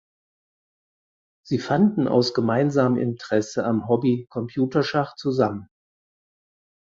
Sie fanden aus gemeinsamem Interesse am Hobby Computerschach zusammen.